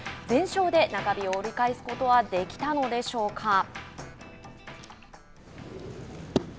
全勝で中日を折り返すことはできたのでしょうか。